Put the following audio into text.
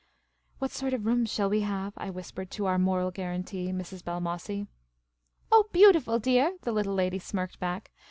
" What sort of rooms shall we have ?" I whispered to our moral guarantee, Mrs. Balmossie. " Oh, beautiful, dear," the little lady smirked back.